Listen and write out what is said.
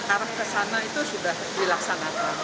arah ke sana itu sudah dilaksanakan